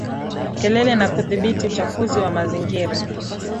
Kelele na kudhibiti uchafuzi wa mazingira